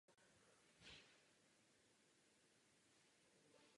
V ostatních zemí byly prodeje velmi malé.